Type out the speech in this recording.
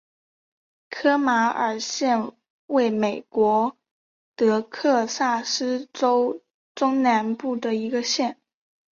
科马尔县位美国德克萨斯州中南部的一个县。